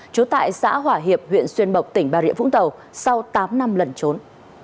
trú tại xã hỏa hiệp huyện xuyên mộc tỉnh bà rịa vũng tàu sau tám năm lần trốn